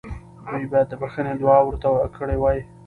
دوی باید د بخښنې دعا ورته کړې وای.